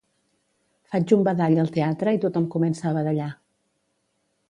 Faig un badall al teatre i tothom comença a badallar